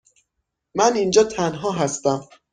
من اینجا تنها هستم.